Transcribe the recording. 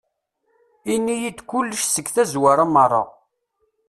Ini-yi-d kullec seg tazwara meṛṛa.